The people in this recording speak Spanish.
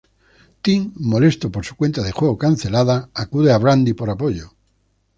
Tim, molesto por su cuenta de juego cancelada, acude a Brandy por apoyo.